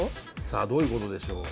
さあどういうことでしょう。